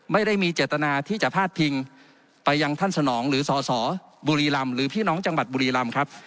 ไม่ได้มีเจตนาที่จะพาดพิงไปยังท่านสนองหรือสสบุรีรำหรือพี่น้องจังหวัดบุรีรำครับ